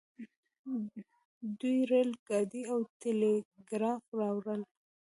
دوی ریل ګاډی او ټیلیګراف راوړل.